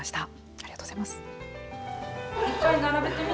ありがとうございます。